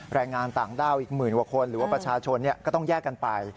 แรงงานต่างด้าวอีกหมื่นกว่าคนหรือว่าประชาชนก็ต้องแยกกันไป